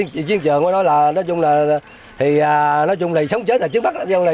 chiến trường của nó là nói chung là nói chung là sống chết là trước bắt